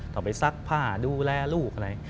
ต้องไปซักผ้าดูแลลูกอะไร